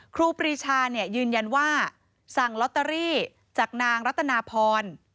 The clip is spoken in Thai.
ครูปรีชายืนยันว่าสั่งลอตเตอรี่จากนางรัตนาพร